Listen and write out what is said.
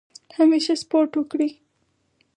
همیشه سپورټ وکړئ.